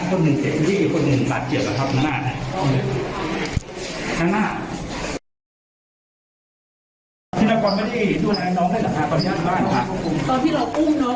ตอนที่เราอุ้มน้องลงไปโรงพยาบาลนะครับคืออะไรขึ้นนะครับ